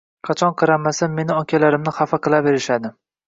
Qachon qaramasa mani okalarimni hafa qilaverishadi.